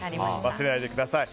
忘れないでください。